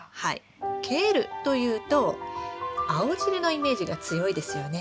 ケールというと青汁のイメージが強いですよね。